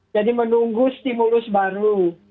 jadi menunggu stimulus baru